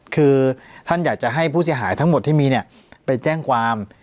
คือท่านอยากจะให้ผู้เสียหายทั้งหมดที่มีเนี่ยไปแจ้งความ